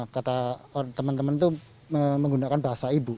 kata teman teman itu menggunakan bahasa ibu